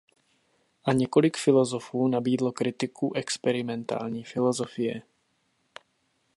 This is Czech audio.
A několik filozofů nabídlo kritiku experimentální filozofie.